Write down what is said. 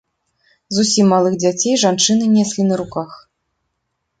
Зусім малых дзяцей жанчыны неслі на руках.